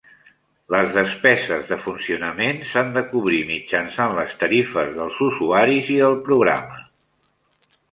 Les despeses de funcionament s'han de cobrir mitjançant les tarifes dels usuaris i del programa.